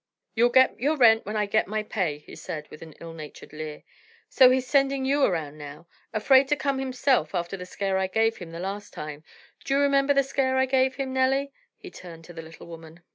"You'll get your rent when I get my pay," he said, with an ill natured leer. "So he's sending you around now? Afraid to come himself after the scare I gave him the last time? D'ye remember the scare I gave him Nellie?" he turned to the little woman.